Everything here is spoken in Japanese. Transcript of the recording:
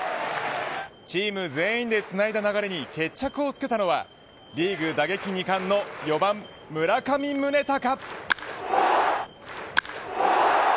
チーム全員でつないだ流れに決着をつけたのはリーグ打撃２冠の４番、村上宗隆。